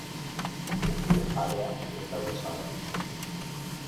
Kefir aleak ez daude salgai.